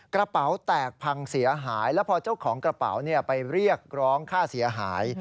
กระเป๋าแตกพังเสียหายแล้วพอเจ้าของกระเป๋าไปเรียกร้องค่าเสียหาย